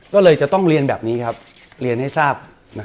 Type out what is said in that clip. ก็เลยจะต้องเรียนแบบนี้ครับเรียนให้ทราบ